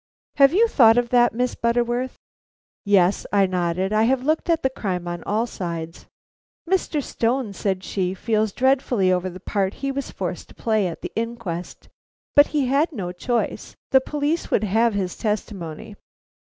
Have you thought of that, Miss Butterworth?" "Yes," I nodded, "I have looked at the crime on all sides." "Mr. Stone," said she, "feels dreadfully over the part he was forced to play at the inquest. But he had no choice, the police would have his testimony."